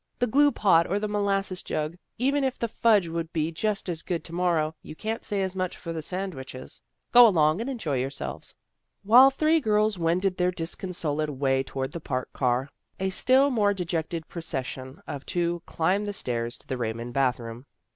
" The glue pot or the molasses jug. Even if the fudge would be just as good to morrow, you can't say as much for the sand wiches. Go along and enjoy yourselves." While three girls wended their disconsolate way toward the Park car, a still more dejected procession of two climbed the stairs to the Raymond bathroom. Mrs.